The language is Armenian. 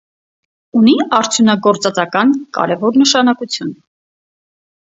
Ունի արդյունագործածական կարևոր նշանակություն։